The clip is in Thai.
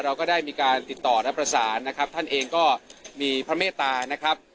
เราก็ได้มีการติดต่อและประสานนะครับท่านเองก็มีพระเมตตานะครับ